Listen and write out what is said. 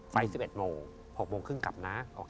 ๑๑โมง๖โมงครึ่งกลับนะ